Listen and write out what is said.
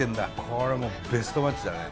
これはもうベストマッチだね。